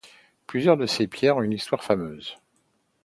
Plusieurs de ces pierres ont une histoire fameuse.